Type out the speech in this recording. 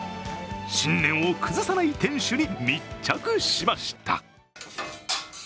信念を崩さない店主に密着しました。